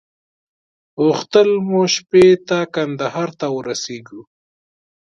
غوښتل مو شپې ته کندهار ته ورسېږو.